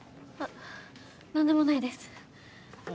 何でもないです。